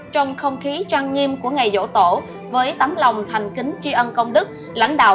trong không khí trăng nghiêm của ngày dỗ tổ với tấm lòng thành kính tri ân công đức lãnh đạo